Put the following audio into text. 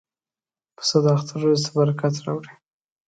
پسه د اختر ورځې ته برکت راوړي.